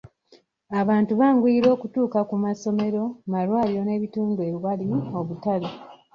Abantu banguyirwa okutuuka ku masomero, malwaliro n'ebitundu ewali obutale.